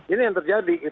ini yang terjadi